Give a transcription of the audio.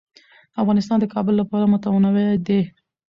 افغانستان د کابل له پلوه متنوع دی.